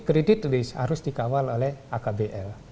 credit list harus dikawal oleh akbl